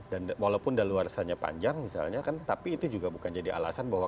dan walaupun daluarsanya panjang misalnya kan tapi itu juga bukan jadi alasan bahwa